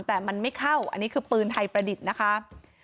แต่มันไม่เข้าอันนี้คือปืนไทยประดิษฐ์นะคะ